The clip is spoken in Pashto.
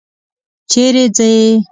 چېرې ځې؟